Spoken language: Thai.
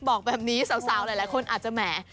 บอกแบบนี้สาวหลายคนอาจจะแหม